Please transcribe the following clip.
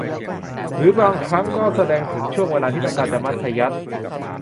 หรือบางครั้งก็แสดงถึงช่วงเวลาที่ต้องการจะมัธยัสถ์